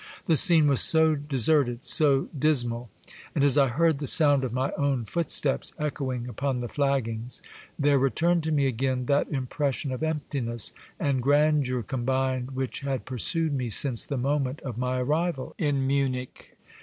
The scene was so deserved, so dismal ! And as I heard the sound of my own footsteps echoing upon the flaggings, there returned to me again that impression of emptiness and grandeur com bined which had pursued me since the moment of my arrival in Munich.